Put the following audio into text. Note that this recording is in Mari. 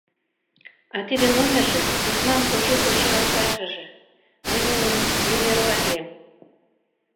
А тиде номерже письмам поче-поче опташыже, мый нуным нумероватлем.